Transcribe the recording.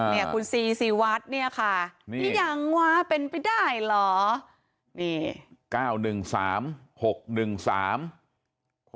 เนี่ยคุณซีซีวัดเนี่ยค่ะนี่ยังวะเป็นไปได้หรอ